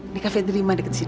di cafe terima deket sini